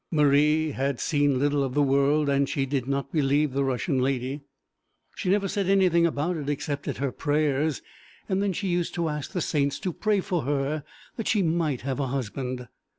Marie had seen little of the world, and she did not believe the Russian lady. She never said anything about it, except at her prayers, and then she used to ask the saints to pray for her that she might have a husband.